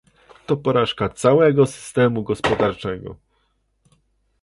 to porażka całego systemu gospodarczego